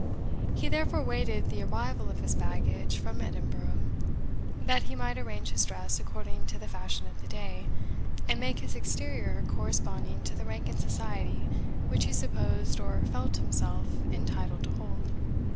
He therefore waited the arrival of his baggage from Edinburgh, that he might arrange his dress according to the fashion of the day, and make his exterior corresponding to the rank in society which he supposed or felt himself entitled to hold.